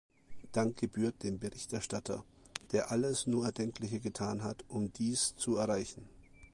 Dank gebührt dem Berichterstatter, der alles nur Erdenkliche getan hat, um dies zu erreichen.